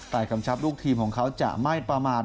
แต่กำชับลูกทีมของเขาจะไม่ประมาท